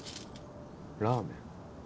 ラーメン？